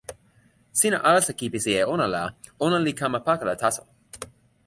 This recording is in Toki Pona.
sina alasa kipisi e ona la ona li kama pakala taso.